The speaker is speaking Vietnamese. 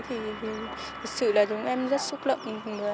thì thực sự là chúng em rất xúc lậm